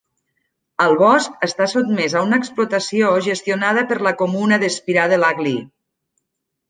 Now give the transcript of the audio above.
El bosc està sotmès a una explotació gestionada per la comuna d'Espirà de l'Aglí.